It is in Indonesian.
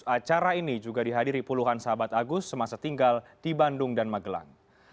acara ini juga dihadiri puluhan sahabat agus semasa tinggal di bandung dan magelang